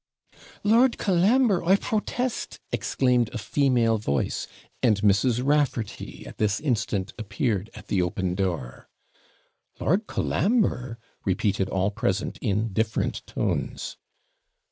'Lord Colambre, I protest!' exclaimed a female voice; and Mrs. Raffarty at this instant appeared at the open door. 'Lord Colambre!' repeated all present, in different tones.